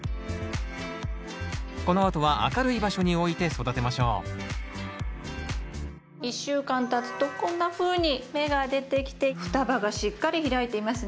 このあとは明るい場所に置いて育てましょう１週間たつとこんなふうに芽が出てきて双葉がしっかり開いていますね。